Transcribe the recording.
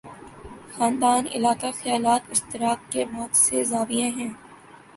خاندان، علاقہ، خیالات اشتراک کے بہت سے زاویے ہیں۔